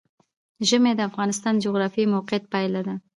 ژمی د افغانستان د جغرافیایي موقیعت پایله ده.